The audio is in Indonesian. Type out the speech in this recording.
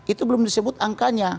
itu belum disebut angkanya